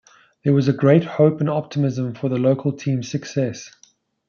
There was great hope and optimism for the local teams success.